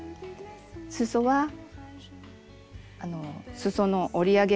すそはすその折り上げ